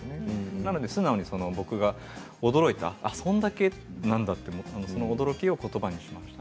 なので素直に僕が驚いたそんだけなんだと思った驚きをことばにしました。